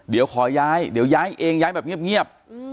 เดี๋ยวขอย้ายเดี๋ยวย้ายเองย้ายแบบเงียบ